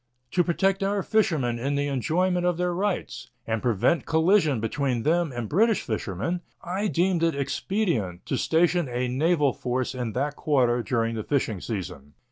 To protect our fishermen in the enjoyment of their rights and prevent collision between them and British fishermen, I deemed it expedient to station a naval force in that quarter during the fishing season.